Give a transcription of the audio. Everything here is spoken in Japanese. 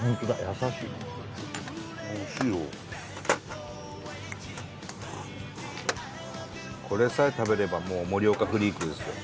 優しいこれさえ食べればもう盛岡フリークですよ